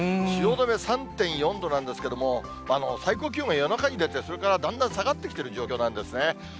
汐留３．４度なんですけれども、最高気温が夜中に出て、それからだんだん下がってきてる状況なんですね。